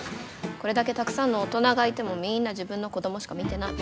これだけたくさんの大人がいてもみんな自分の子供しか見てない。